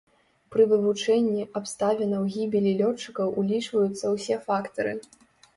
Пры вывучэнні абставінаў гібелі лётчыкаў улічваюцца ўсе фактары.